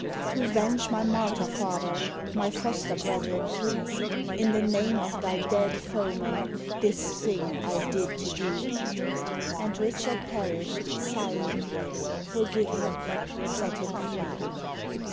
'To venge my martyr father, My foster brethren three: In the name of thy dead foemen This thing I did to thee!' And Richard perished, sighing: 'Forgive him. Set him free!